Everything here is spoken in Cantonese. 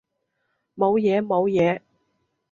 冇嘢冇嘢